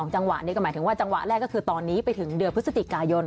จังหวะนี้ก็หมายถึงว่าจังหวะแรกก็คือตอนนี้ไปถึงเดือนพฤศจิกายน